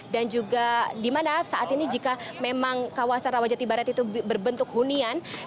dan juga dimana saat ini jika memang kawasan rawajati barat itu berbentuk hunian